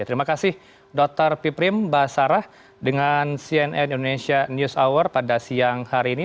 terima kasih dr piprim basarah dengan cnn indonesia news hour pada siang hari ini